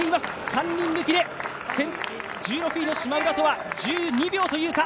３人抜きで１６位のしまむらとは１２秒という差。